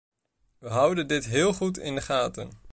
We houden dit heel goed in de gaten.